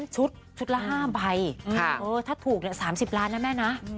ชุดชุดละ๕ใบถ้าถูก๓๐ล้านนะแม่นะ